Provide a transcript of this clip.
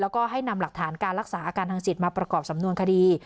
แล้วก็ให้นำหลักฐานการรักษาอาการทางจิตมาประกอบสำนวนคดี